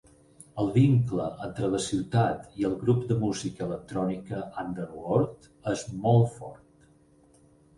El vincle entre la ciutat i el grup de música electrònica Underworld és molt fort.